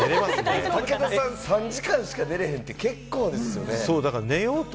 武田さん、３時間しか寝れへんって、結構ですよね。